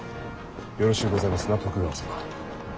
よろしゅうございますな徳川様。